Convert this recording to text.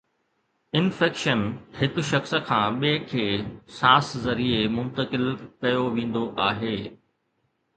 infection هڪ شخص کان ٻئي کي سانس ذريعي منتقل ڪيو ويندو آهي